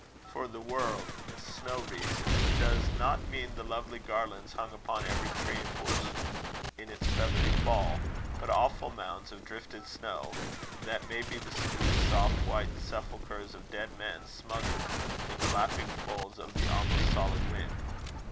For the word snow wreaths does not mean the lovely garlands hung upon every tree and bush in its feathery fall; but awful mounds of drifted snow, that may be the smooth, soft, white sepulchres of dead men, smothered in the lapping folds of the almost solid wind.